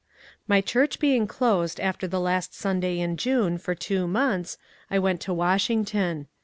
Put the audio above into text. My church being closed after the last Sunday in June for two months, I went to Washington.